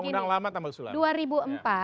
undang undang lama tambal sulam